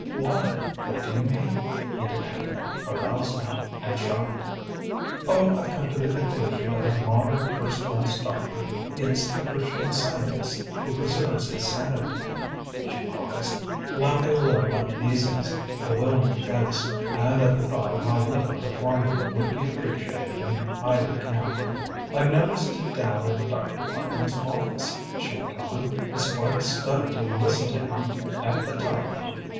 "Why what do you mean?" he demanded, aroused now, and shocked. "Oh, I've come to the conclusion that a modern, first class doctor is a Christian Scientist who preserves his sanity" she paused, laughing a little at Beason's bewildered face, and at the thought of how little her formula would be appreciated in either camp. "I've noticed it down at Dr. Parkman's office," she went on. "It's quite a study to listen to him at the telephone.